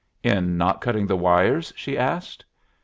"In not cutting the wires?" she asked.